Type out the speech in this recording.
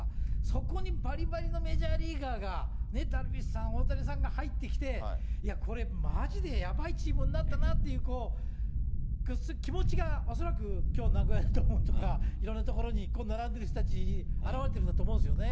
そこにばりばりのメジャーリーガーが、ね、ダルビッシュさん、大谷さんが入ってきて、いやこれ、まじでやばいチームになったなっていう、気持ちが恐らく、きょう、ナゴヤドームとか、いろんな所に並んでる人たちに表れてるんだと思うんですよね。